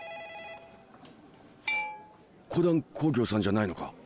コダン工業さんじゃないのか？